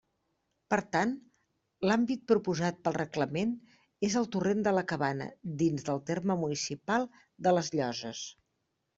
Per tant, l'àmbit proposat pel reglament és el Torrent de la Cabana dins del terme municipal de les Llosses.